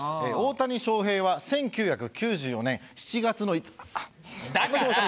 大谷翔平は１９９４年７月の。だから！